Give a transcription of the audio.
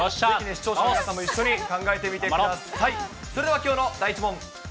視聴者の皆さんも一緒に考えてみてください。